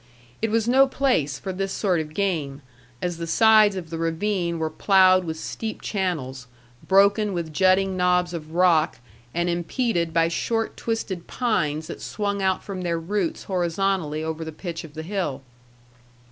It was no place for this sort of game, as the sides of the ravine were ploughed with steep channels, broken with jutting knobs of rock, and impeded by short twisted pines that swung out from their roots horizontally over the pitch of the hill.